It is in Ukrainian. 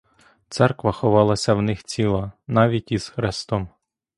Церква ховалася в них ціла, навіть із хрестом.